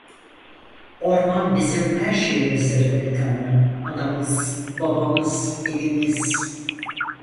Orman bizim her şeyimizdir delikanlı, anamız, babamız, evimiz…